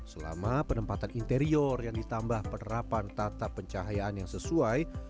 selama penempatan interior yang ditambah penerapan tata pencahayaan yang sesuai